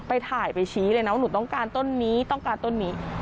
ไปถ่ายไปชี้เลยนะว่าหนูต้องการต้นนี้ต้องการต้นนี้